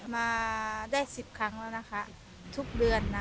มาได้๑๐ครั้งแล้วนะคะทุกเดือนนะ